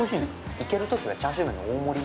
いけるときはチャーシュー麺の大盛りを。